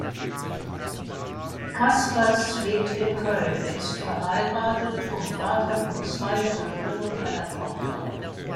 Caspers lebt in Köln, ist verheiratet und Vater von zwei Söhnen und einer Tochter.